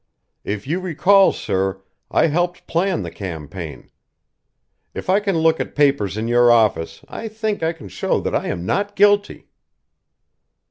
If you recall, sir, I helped plan the campaign. If I can look at papers in your office, I think I can show that I am not guilty."